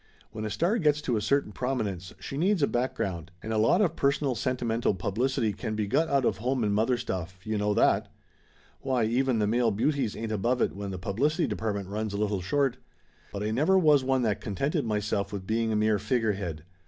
"When a star gets to a certain prominence she needs a back ground, and a lot of personal sentimental publicity can be got out of home and mother stuff you know that ! Why, even the male beauties ain't above it when the publicity department runs a little short. But I never was one that contented myself with being a mere figure head.